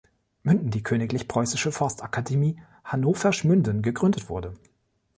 Münden die Königlich Preußische Forstakademie Hannoversch Münden gegründet wurde.